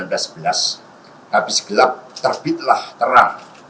habis gelap terbitlah terang